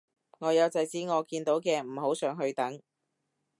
我有制止我見到嘅唔好上去等